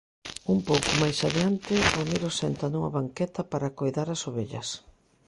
Un pouco máis adiante, Ramiro senta nunha banqueta para coidar as ovellas.